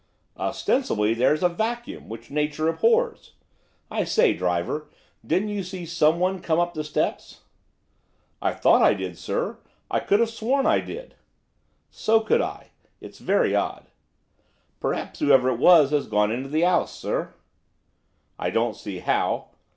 'Ostensibly, there's a vacuum, which nature abhors. I say, driver, didn't you see someone come up the steps?' 'I thought I did, sir, I could have sworn I did.' 'So could I. It's very odd.' 'Perhaps whoever it was has gone into the 'ouse, sir.' 'I don't see how.